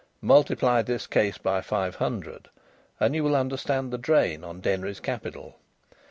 Multiply this case by five hundred, and you will understand the drain on Denry's capital.